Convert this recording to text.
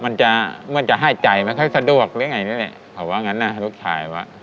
มันจะมันจะให้ใจมันค่อยสะดวกหรือไงนี่เลยเขาว่างั้นน่ะทุกชายว่า